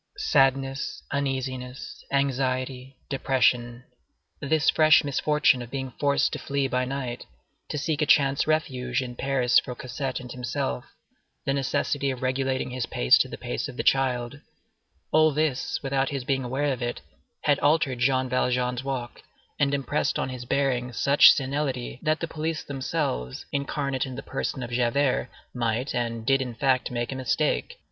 Sadness, uneasiness, anxiety, depression, this fresh misfortune of being forced to flee by night, to seek a chance refuge in Paris for Cosette and himself, the necessity of regulating his pace to the pace of the child—all this, without his being aware of it, had altered Jean Valjean's walk, and impressed on his bearing such senility, that the police themselves, incarnate in the person of Javert, might, and did in fact, make a mistake.